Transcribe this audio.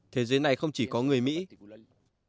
thế giới này không chỉ có người mỹ